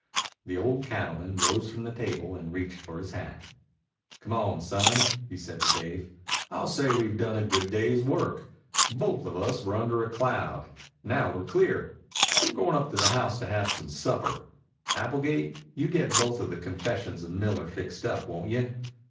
The old cattleman rose from the table and reached for his hat. "Come on, son," he said to Dave. "I'll say we've done a good day's work. Both of us were under a cloud. Now we're clear. We're goin' up to the house to have some supper. Applegate, you'll get both of the confessions of Miller fixed up, won't you?